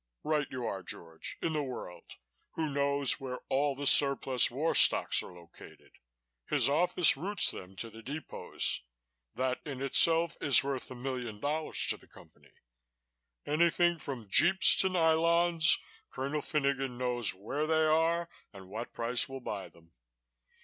"Right you are, George, in the world who knows where all the surplus war stocks are located. His office routes them to the depots. That in itself is worth a million dollars to the company. Anything from jeeps to nylons, Colonel Finogan knows where they are and what price will buy them.